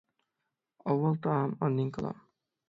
ئاۋۋال تائام، ئاندىن كالام.